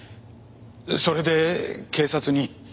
それで警察に。